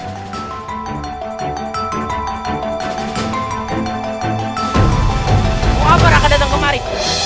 aku mengamalkan kau kembali